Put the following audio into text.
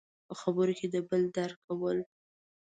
– په خبرو کې د بل درک کول.